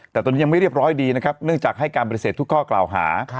แต่ตอนนี้ยังไม่เรียบร้อยดีนะครับเนื่องจากให้การปฏิเสธทุกข้อกล่าวหา